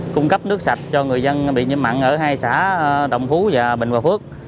cung cấp nước sạch cho người dân bị nhiễm mặn ở hai xã đồng phú và bình hòa phước